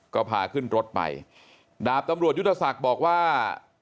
ก็พาขึ้นรถไปดาบตำรวจยุทธศักดิ์บอกว่า